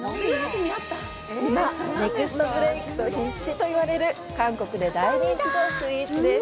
今、ネクストブレイク必至といわれる韓国で大人気のスイーツです！